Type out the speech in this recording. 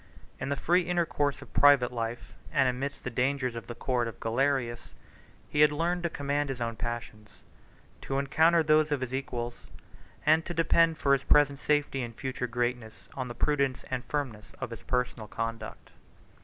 In the free intercourse of private life, and amidst the dangers of the court of Galerius, he had learned to command his own passions, to encounter those of his equals, and to depend for his present safety and future greatness on the prudence and firmness of his personal conduct.